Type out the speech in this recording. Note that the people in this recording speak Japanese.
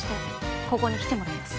ここに来てもらいます